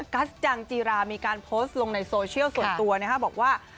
กัสจังจีรามีการโพสต์ลงในโซเชียลส่วนตัวบอกว่า